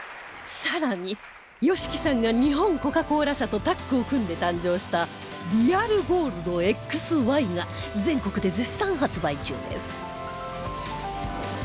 更に ＹＯＳＨＩＫＩ さんが日本コカ・コーラ社とタッグを組んで誕生したリアルゴールド Ｘ／Ｙ が全国で絶賛発売中です